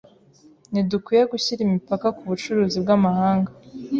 Ntidukwiye gushyira imipaka ku bucuruzi bw’amahanga.